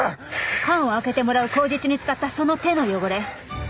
缶を開けてもらう口実に使ったその手の汚れ。